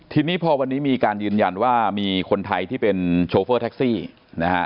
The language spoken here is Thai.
ทีนี้พอวันนี้มีการยืนยันว่ามีคนไทยที่เป็นโชเฟอร์แท็กซี่นะฮะ